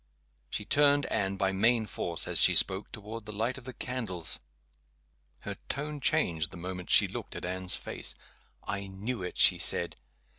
She turned Anne, by main force, as she spoke, toward the light of the candles. Her tone changed the moment she looked at Anne's face. "I knew it!" she said.